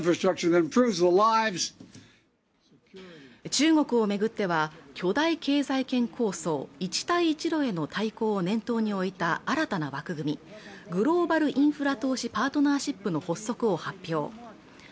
中国をめぐっては巨大経済圏構想一帯一路への対抗を念頭に置いた新たな枠組みグローバル・インフラ投資パートナーシップの発足を発表